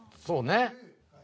そうね。